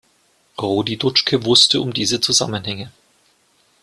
Rudi Dutschke wusste um diese Zusammenhänge.